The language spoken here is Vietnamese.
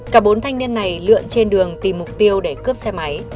cả bốn thanh niên này lượn trên đường tìm mục tiêu để cướp xe máy